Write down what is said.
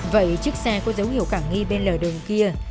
vậy chiếc xe có dấu hiệu cảm nghi bên lề đường kia